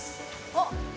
あっ。